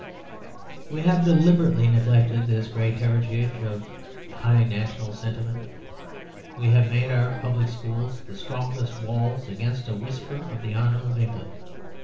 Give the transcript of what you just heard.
We have deliberately neglected this great heritage of high national sentiment. We have made our public schools the strongest walls against a whisper of the honour of England.